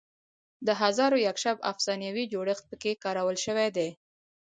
د هزار و یک شب افسانوي جوړښت پکې کارول شوی دی.